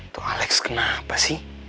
tuh alex kenapa sih